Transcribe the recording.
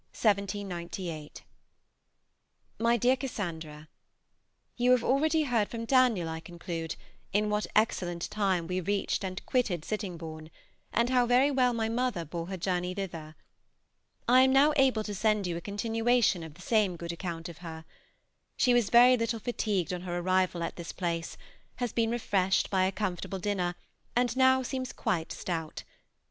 MY DEAR CASSANDRA, You have already heard from Daniel, I conclude, in what excellent time we reached and quitted Sittingbourne, and how very well my mother bore her journey thither. I am now able to send you a continuation of the same good account of her. She was very little fatigued on her arrival at this place, has been refreshed by a comfortable dinner, and now seems quite stout.